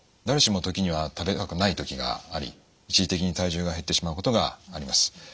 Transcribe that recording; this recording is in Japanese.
誰しも時には食べたくない時があり一時的に体重が減ってしまうことがあります。